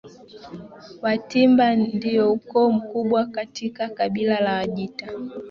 Watimba ndio ukoo mkubwa katika kabila la Wajita